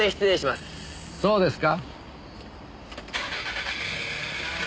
そうですか。